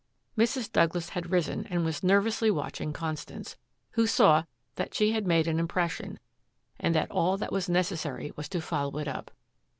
Mrs. Douglas had risen and was nervously watching Constance, who saw that she had made an impression and that all that was necessary was to follow it up.